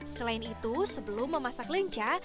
selain itu sebelum memasak lenca